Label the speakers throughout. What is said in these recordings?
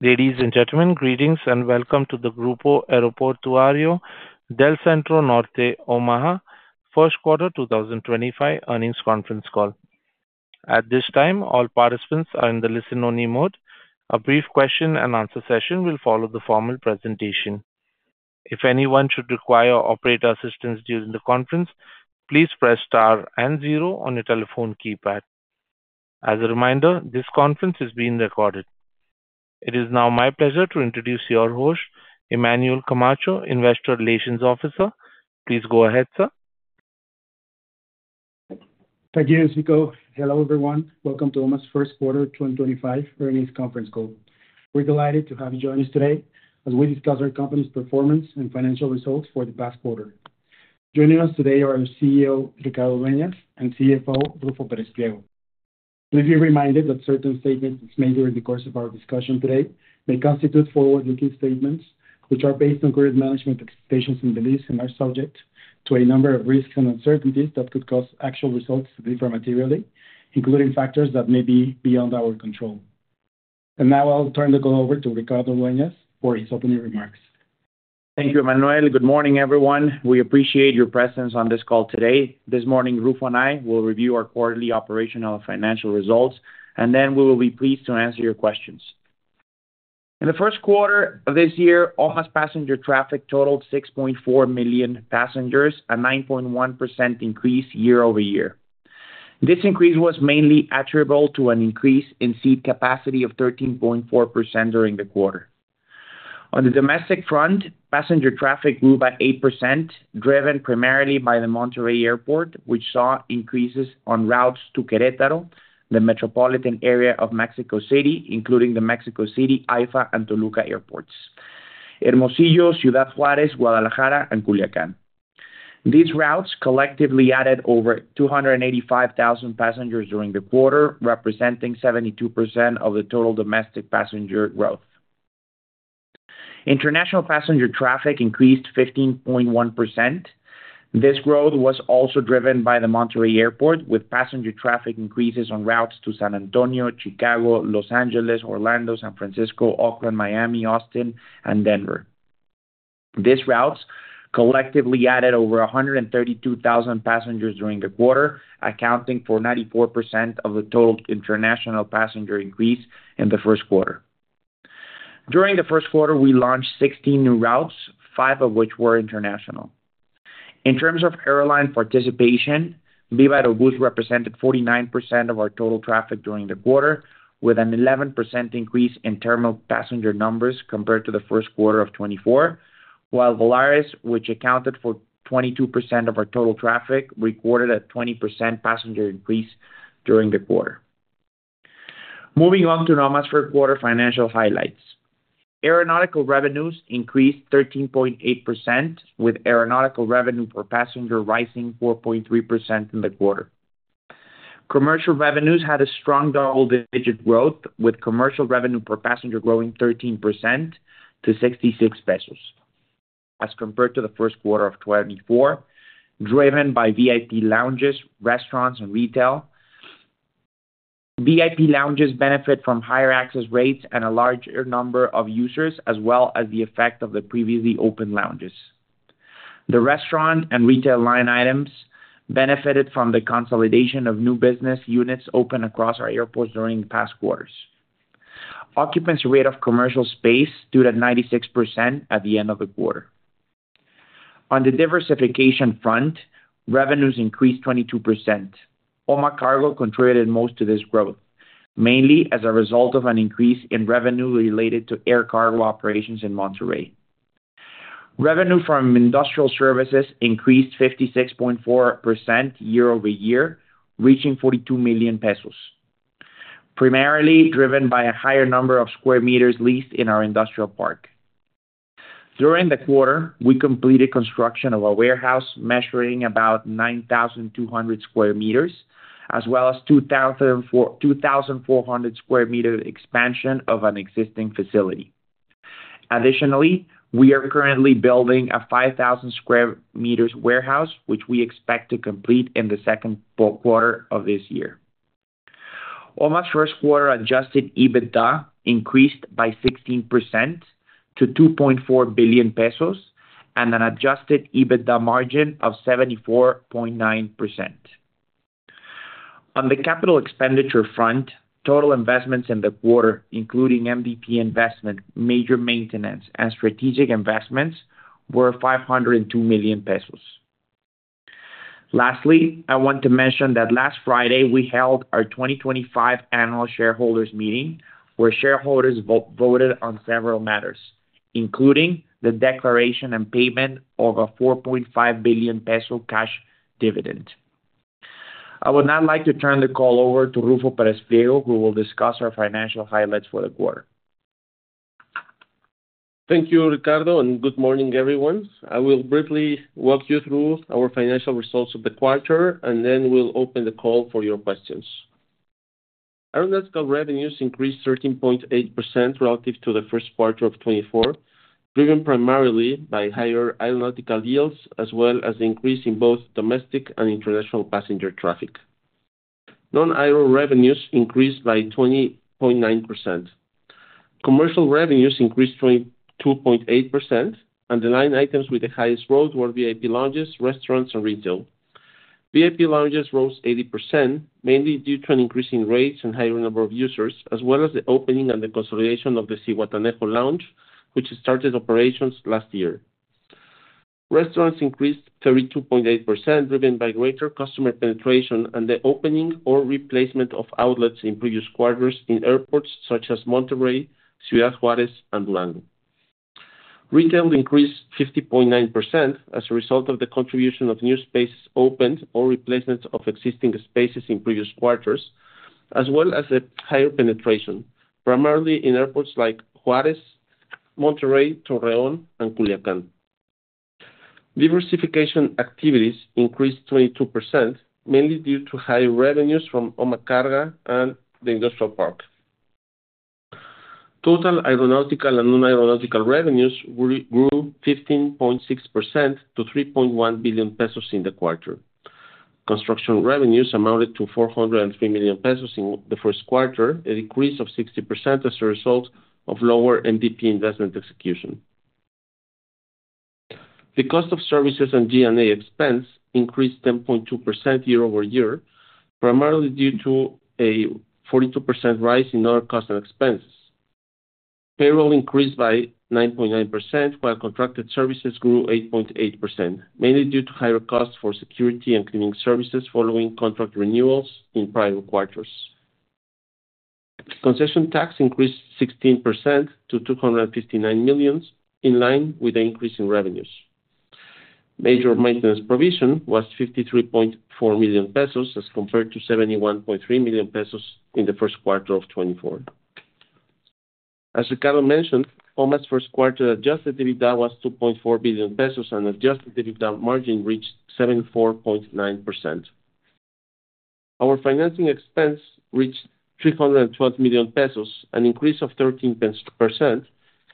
Speaker 1: Ladies and gentlemen, greetings and welcome to the Grupo Aeroportuario del Centro Norte OMA first quarter 2025 earnings conference call. At this time, all participants are in the listen-only mode. A brief question-and-answer session will follow the formal presentation. If anyone should require operator assistance during the conference, please press star and zero on your telephone keypad. As a reminder, this conference is being recorded. It is now my pleasure to introduce your host, Emmanuel Camacho, Investor Relations Officer. Please go ahead, sir.
Speaker 2: Thank you, Enrico. Hello, everyone. Welcome to OMA's first quarter 2025 earnings conference call. We're delighted to have you join us today as we discuss our company's performance and financial results for the past quarter. Joining us today are our CEO, Ricardo Dueñas, and CFO, Ruffo Pérez Pliego. Please be reminded that certain statements made during the course of our discussion today may constitute forward-looking statements, which are based on current management expectations and beliefs and are subject to a number of risks and uncertainties that could cause actual results to differ materially, including factors that may be beyond our control. Now I'll turn the call over to Ricardo Dueñas for his opening remarks.
Speaker 3: Thank you, Emmanuel. Good morning, everyone. We appreciate your presence on this call today. This morning, Ruffo and I will review our quarterly operational and financial results, and then we will be pleased to answer your questions. In the first quarter of this year, OMA's passenger traffic totaled 6.4 million passengers, a 9.1% increase year over year. This increase was mainly attributable to an increase in seat capacity of 13.4% during the quarter. On the domestic front, passenger traffic grew by 8%, driven primarily by the Monterrey Airport, which saw increases on routes to Querétaro, the metropolitan area of Mexico City, including the Mexico City, AIFA, and Toluca airports, Hermosillo, Ciudad Juárez, Guadalajara, and Culiacán. These routes collectively added over 285,000 passengers during the quarter, representing 72% of the total domestic passenger growth. International passenger traffic increased 15.1%. This growth was also driven by the Monterrey Airport, with passenger traffic increases on routes to San Antonio, Chicago, Los Angeles, Orlando, San Francisco, Oakland, Miami, Austin, and Denver. These routes collectively added over 132,000 passengers during the quarter, accounting for 94% of the total international passenger increase in the first quarter. During the first quarter, we launched 16 new routes, five of which were international. In terms of airline participation, Viva Aerobus represented 49% of our total traffic during the quarter, with an 11% increase in terminal passenger numbers compared to the first quarter of 2024, while Volaris, which accounted for 22% of our total traffic, recorded a 20% passenger increase during the quarter. Moving on to OMA's third quarter financial highlights. Aeronautical revenues increased 13.8%, with aeronautical revenue per passenger rising 4.3% in the quarter. Commercial revenues had a strong double-digit growth, with commercial revenue per passenger growing 13% to 66 pesos as compared to the first quarter of 2024, driven by VIP lounges, restaurants, and retail. VIP lounges benefit from higher access rates and a larger number of users, as well as the effect of the previously opened lounges. The restaurant and retail line items benefited from the consolidation of new business units opened across our airports during the past quarters. Occupants' rate of commercial space stood at 96% at the end of the quarter. On the diversification front, revenues increased 22%. OMA Carga contributed most to this growth, mainly as a result of an increase in revenue related to air cargo operations in Monterrey. Revenue from industrial services increased 56.4% year over year, reaching 42 million pesos, primarily driven by a higher number of square meters leased in our industrial park. During the quarter, we completed construction of a warehouse measuring about 9,200 sq m, as well as a 2,400 sq m expansion of an existing facility. Additionally, we are currently building a 5,000 sq m warehouse, which we expect to complete in the second quarter of this year. OMA's first quarter adjusted EBITDA increased by 16% to 2.4 billion pesos and an adjusted EBITDA margin of 74.9%. On the capital expenditure front, total investments in the quarter, including MDP investment, major maintenance, and strategic investments, were 502 million pesos. Lastly, I want to mention that last Friday we held our 2025 annual shareholders meeting, where shareholders voted on several matters, including the declaration and payment of a 4.5 billion peso cash dividend. I would now like to turn the call over to Ruffo Pérez Pliego, who will discuss our financial highlights for the quarter.
Speaker 4: Thank you, Ricardo, and good morning, everyone. I will briefly walk you through our financial results of the quarter, and then we'll open the call for your questions. Aeronautical revenues increased 13.8% relative to the first quarter of 2024, driven primarily by higher aeronautical yields, as well as the increase in both domestic and international passenger traffic. Non-aero revenues increased by 20.9%. Commercial revenues increased 22.8%, and the line items with the highest growth were VIP lounges, restaurants, and retail. VIP lounges rose 80%, mainly due to increasing rates and higher number of users, as well as the opening and the consolidation of the Ciudad Obregón lounge, which started operations last year. Restaurants increased 32.8%, driven by greater customer penetration and the opening or replacement of outlets in previous quarters in airports such as Monterrey, Ciudad Juárez, and Durango. Retail increased 50.9% as a result of the contribution of new spaces opened or replacements of existing spaces in previous quarters, as well as the higher penetration, primarily in airports like Ciudad Juárez, Monterrey, Torreón, and Culiacán. Diversification activities increased 22%, mainly due to high revenues from OMA Carga and the industrial park. Total aeronautical and non-aeronautical revenues grew 15.6% to 3.1 billion pesos in the quarter. Construction revenues amounted to 403 million pesos in the first quarter, a decrease of 60% as a result of lower MVP investment execution. The cost of services and G&A expense increased 10.2% year over year, primarily due to a 42% rise in other costs and expenses. Payroll increased by 9.9%, while contracted services grew 8.8%, mainly due to higher costs for security and cleaning services following contract renewals in prior quarters. Concession tax increased 16% to 259 million, in line with the increase in revenues. Major maintenance provision was 53.4 million pesos as compared to 71.3 million pesos in the first quarter of 2024. As Ricardo mentioned, OMA's first quarter adjusted EBITDA was 2.4 billion pesos, and adjusted EBITDA margin reached 74.9%. Our financing expense reached 312 million pesos, an increase of 13%,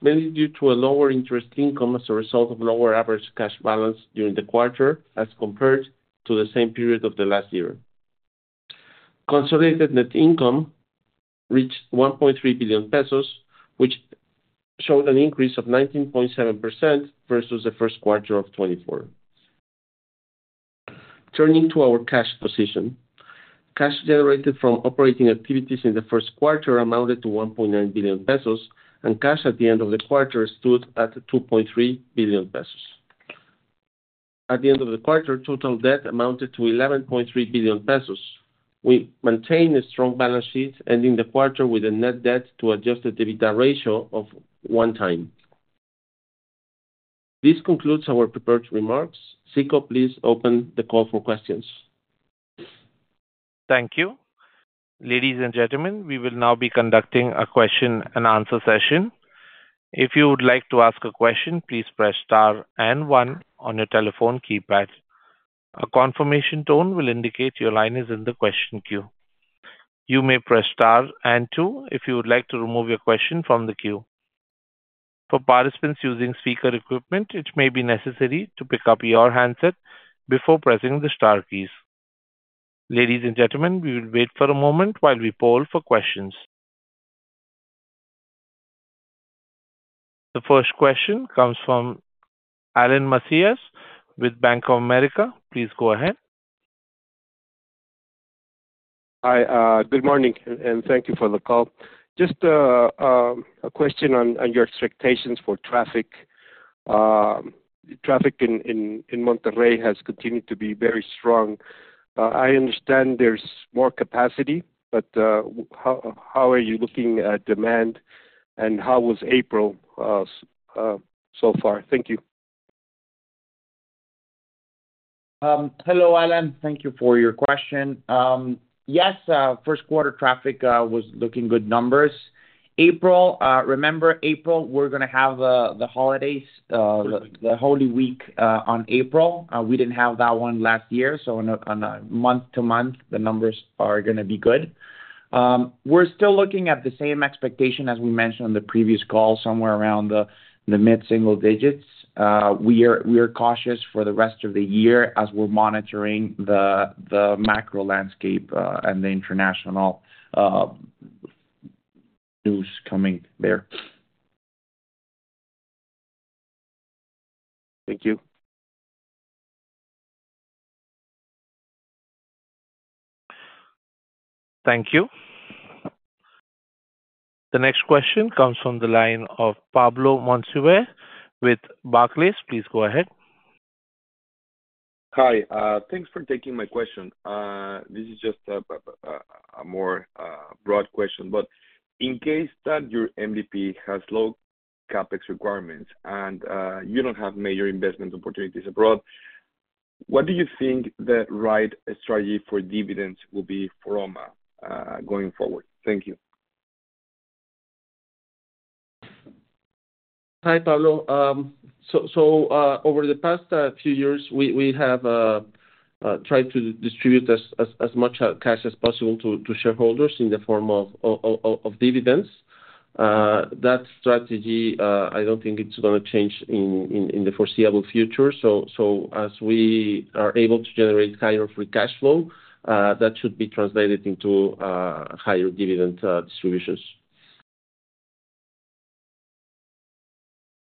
Speaker 4: mainly due to a lower interest income as a result of lower average cash balance during the quarter as compared to the same period of the last year. Consolidated net income reached 1.3 billion pesos, which showed an increase of 19.7% versus the first quarter of 2024. Turning to our cash position, cash generated from operating activities in the first quarter amounted to 1.9 billion pesos, and cash at the end of the quarter stood at 2.3 billion pesos. At the end of the quarter, total debt amounted to 11.3 billion pesos. We maintained a strong balance sheet, ending the quarter with a net debt to adjusted EBITDA ratio of one time. This concludes our prepared remarks. CECO, please open the call for questions.
Speaker 1: Thank you. Ladies and gentlemen, we will now be conducting a question-and-answer session. If you would like to ask a question, please press star and one on your telephone keypad. A confirmation tone will indicate your line is in the question queue. You may press star and two if you would like to remove your question from the queue. For participants using speaker equipment, it may be necessary to pick up your handset before pressing the star keys. Ladies and gentlemen, we will wait for a moment while we poll for questions. The first question comes from Alan Macías with Bank of America. Please go ahead.
Speaker 5: Hi, good morning, and thank you for the call. Just a question on your expectations for traffic. Traffic in Monterrey has continued to be very strong. I understand there's more capacity, but how are you looking at demand, and how was April so far? Thank you.
Speaker 3: Hello, Alan. Thank you for your question. Yes, first quarter traffic was looking good numbers. April, remember, April, we're going to have the holidays, the Holy Week on April. We didn't have that one last year, so on a month-to-month, the numbers are going to be good. We're still looking at the same expectation as we mentioned on the previous call, somewhere around the mid-single digits. We are cautious for the rest of the year as we're monitoring the macro landscape and the international news coming there.
Speaker 1: Thank you. Thank you. The next question comes from the line of Pablo Monsivais with Barclays. Please go ahead.
Speaker 6: Hi, thanks for taking my question. This is just a more broad question, but in case that your MVP has low CapEx requirements and you don't have major investment opportunities abroad, what do you think the right strategy for dividends will be for OMA going forward? Thank you.
Speaker 4: Hi, Pablo. Over the past few years, we have tried to distribute as much cash as possible to shareholders in the form of dividends. That strategy, I do not think it is going to change in the foreseeable future. As we are able to generate higher free cash flow, that should be translated into higher dividend distributions.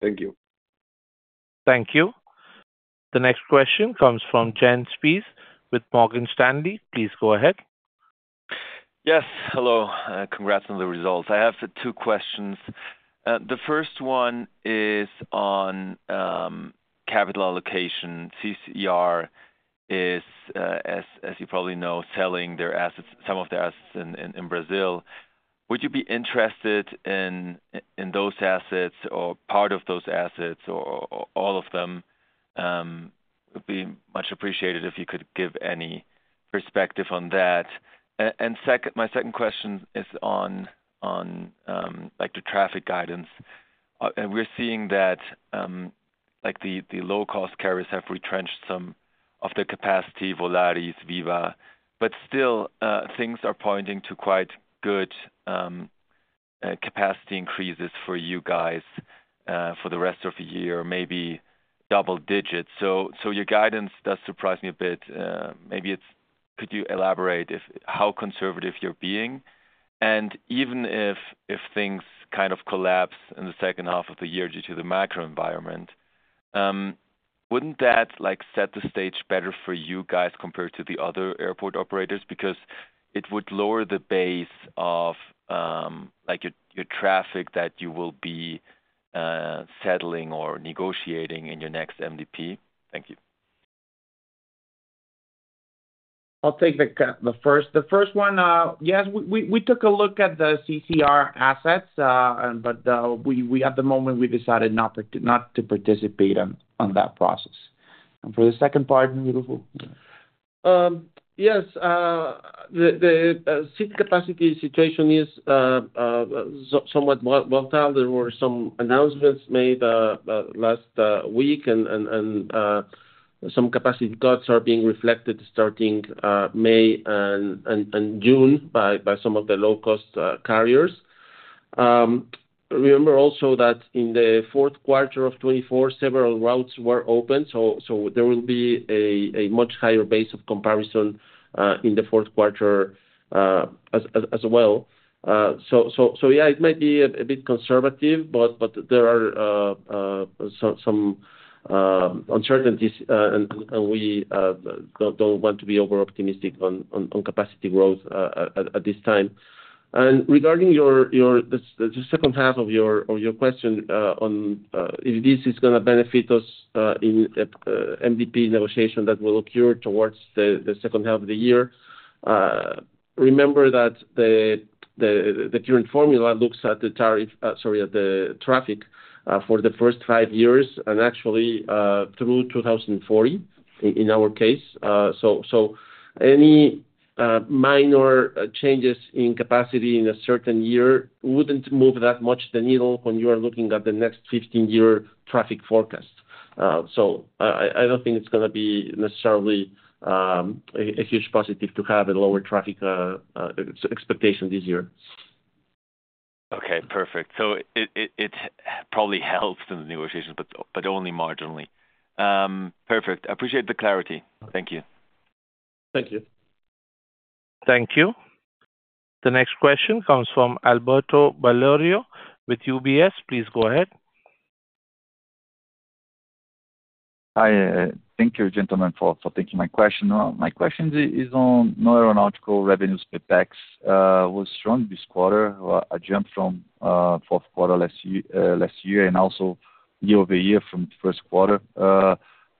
Speaker 6: Thank you.
Speaker 1: Thank you. The next question comes from Jens Spiess with Morgan Stanley. Please go ahead.
Speaker 7: Yes, hello. Congrats on the results. I have two questions. The first one is on capital allocation. CCR is, as you probably know, selling some of their assets in Brazil. Would you be interested in those assets or part of those assets or all of them? It would be much appreciated if you could give any perspective on that. My second question is on the traffic guidance. We're seeing that the low-cost carriers have retrenched some of their capacity, Volaris, Viva, but still, things are pointing to quite good capacity increases for you guys for the rest of the year, maybe double digits. Your guidance does surprise me a bit. Maybe could you elaborate how conservative you're being? Even if things kind of collapse in the second half of the year due to the macro environment, would not that set the stage better for you guys compared to the other airport operators? Because it would lower the base of your traffic that you will be settling or negotiating in your next MVP. Thank you.
Speaker 3: I'll take the first one. Yes, we took a look at the CCR assets, but at the moment, we decided not to participate on that process. For the second part, we'll move.
Speaker 4: Yes, the seat capacity situation is somewhat volatile. There were some announcements made last week, and some capacity cuts are being reflected starting May and June by some of the low-cost carriers. Remember also that in the fourth quarter of 2024, several routes were open, so there will be a much higher base of comparison in the fourth quarter as well. It might be a bit conservative, but there are some uncertainties, and we do not want to be over-optimistic on capacity growth at this time. Regarding the second half of your question, if this is going to benefit us in MVP negotiation that will occur towards the second half of the year, remember that the current formula looks at the tariff, sorry, at the traffic for the first five years and actually through 2040 in our case. Any minor changes in capacity in a certain year would not move that much the needle when you are looking at the next 15-year traffic forecast. I do not think it is going to be necessarily a huge positive to have a lower traffic expectation this year.
Speaker 7: Okay, perfect. It probably helps in the negotiations, but only marginally. Perfect. I appreciate the clarity. Thank you.
Speaker 1: Thank you. Thank you. The next question comes from Alberto Valerio with UBS. Please go ahead.
Speaker 8: Hi, thank you, gentlemen, for taking my question. My question is on non-aeronautical revenues per pax. It was strong this quarter, a jump from fourth quarter last year and also year over year from the first quarter.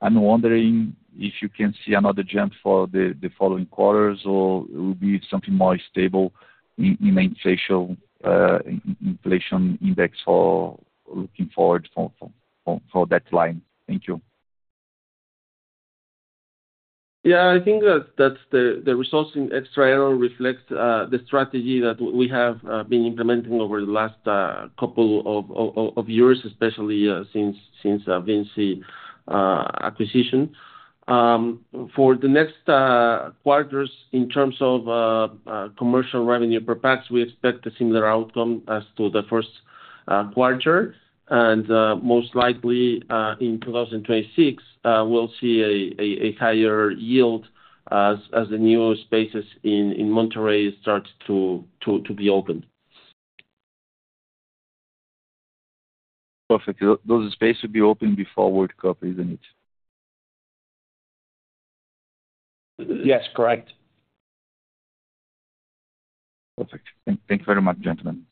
Speaker 8: I'm wondering if you can see another jump for the following quarters or it will be something more stable in the inflation index for looking forward for that line. Thank you.
Speaker 4: Yeah, I think that the results in extra aero reflect the strategy that we have been implementing over the last couple of years, especially since Vinci acquisition. For the next quarters, in terms of commercial revenue per pax, we expect a similar outcome as to the first quarter. Most likely in 2026, we'll see a higher yield as the new spaces in Monterrey start to be open.
Speaker 8: Perfect. Those spaces will be open before World Cup, isn't it?
Speaker 3: Yes, correct.
Speaker 8: Perfect. Thank you very much, gentlemen.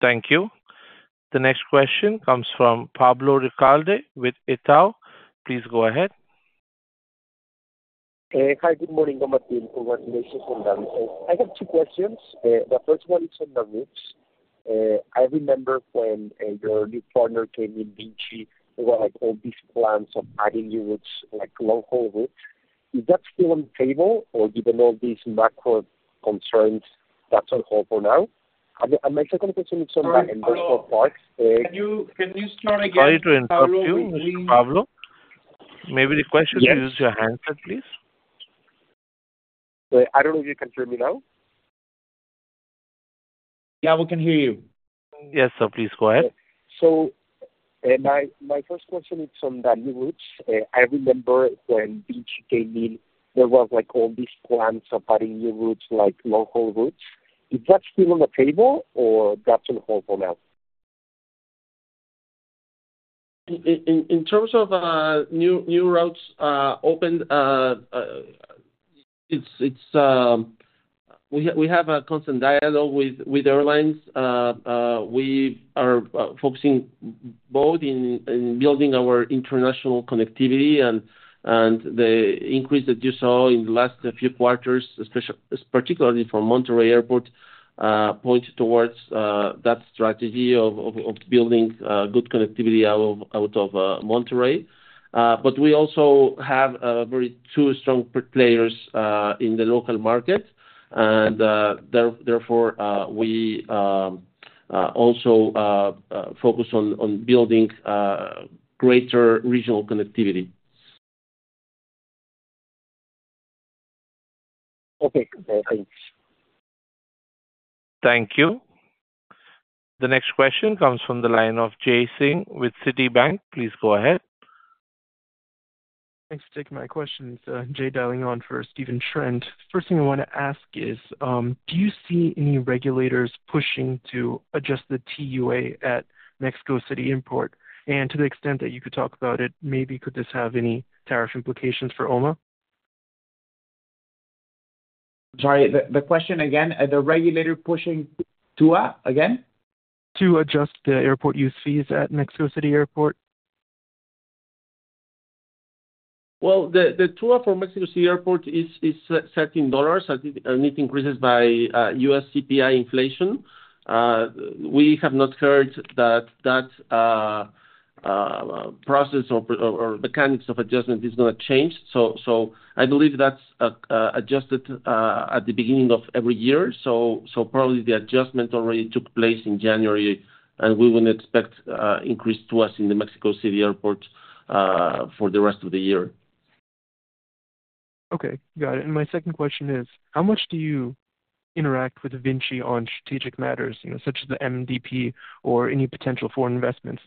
Speaker 1: Thank you. The next question comes from Pablo Ricalde with Itaú. Please go ahead.
Speaker 9: Hi, good morning, OMA. Congratulations on that. I have two questions. The first one is on the routes. I remember when your new partner came in, Vinci, there were like all these plans of adding new routes, like local routes. Is that still on the table, or given all these macro concerns, that's on hold for now? My second question is on the industrial parks.
Speaker 4: Can you start again? Sorry to interrupt you, Pablo. Maybe the question is, use your handset, please.
Speaker 9: I don't know if you can hear me now.
Speaker 3: Yeah, we can hear you.
Speaker 1: Yes, please go ahead.
Speaker 9: My first question is on the new routes. I remember when Vinci came in, there were all these plans of adding new routes, like local routes. Is that still on the table, or that's on hold for now?
Speaker 4: In terms of new routes opened, we have a constant dialogue with airlines. We are focusing both in building our international connectivity and the increase that you saw in the last few quarters, particularly from Monterrey Airport, point towards that strategy of building good connectivity out of Monterrey. We also have two strong players in the local market, and therefore, we also focus on building greater regional connectivity.
Speaker 9: Okay, thanks.
Speaker 1: Thank you. The next question comes from the line of Jason with Citibank. Please go ahead.
Speaker 10: Thanks for taking my questions. Jay dialing on for Stephen Trent. First thing I want to ask is, do you see any regulators pushing to adjust the TUA at Mexico City Airport? To the extent that you could talk about it, maybe could this have any tariff implications for OMA?
Speaker 3: Sorry, the question again? The regulator pushing to again?
Speaker 10: To adjust the airport use fees at Mexico City Airport?
Speaker 4: The TUA for Mexico City Airport is set in dollars, and it increases by U.S. CPI inflation. We have not heard that that process or mechanics of adjustment is going to change. I believe that's adjusted at the beginning of every year. Probably the adjustment already took place in January, and we wouldn't expect an increase to us in the Mexico City Airport for the rest of the year.
Speaker 10: Okay, got it. My second question is, how much do you interact with Vinci on strategic matters, such as the MVP or any potential foreign investments?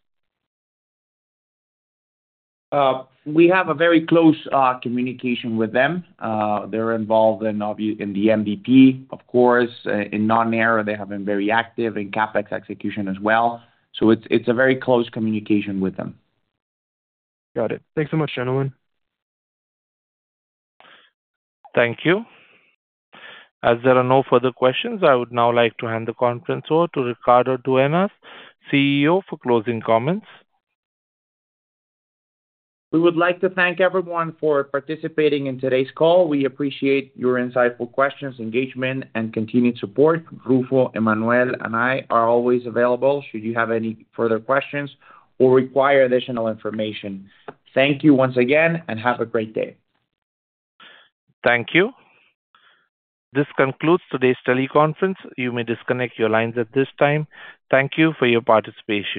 Speaker 3: We have a very close communication with them. They're involved in the MVP, of course. In non-aero, they have been very active in CapEx execution as well. It is a very close communication with them.
Speaker 10: Got it. Thanks so much, gentlemen.
Speaker 1: Thank you. As there are no further questions, I would now like to hand the conference over to Ricardo Dueñas, CEO, for closing comments.
Speaker 3: We would like to thank everyone for participating in today's call. We appreciate your insightful questions, engagement, and continued support. Ruffo, Emmanuel, and I are always available should you have any further questions or require additional information. Thank you once again, and have a great day.
Speaker 1: Thank you. This concludes today's teleconference. You may disconnect your lines at this time. Thank you for your participation.